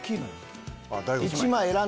大悟さん。